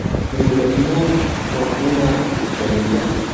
د مجسمو مخونه ځلیدل